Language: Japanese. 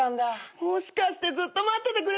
もしかしてずっと待っててくれたんですか？